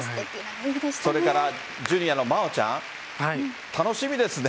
それからジュニアの麻央ちゃん楽しみですよね。